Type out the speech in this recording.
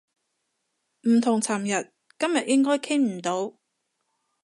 唔同尋日，今日應該傾唔到